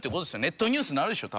ネットニュースになるでしょ？